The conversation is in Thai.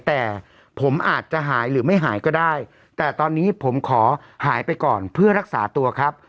แต่ผมอาจจะหายหรือไม่หายก็ได้แต่ตอนนี้ผมขอหายไปก่อนเพื่อรักษาตัวครับ